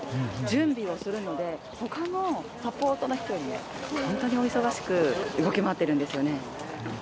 準備をするので、ほかのサポートの人より本当にお忙しく動き回ってるんですよね。